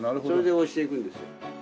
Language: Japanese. それで押していくんですよ。